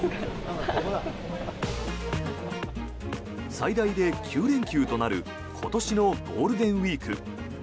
最大で９連休となる今年のゴールデンウィーク。